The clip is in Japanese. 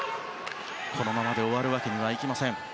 このままで終わるわけにはいきません。